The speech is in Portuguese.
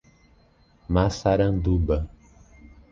Massaranduba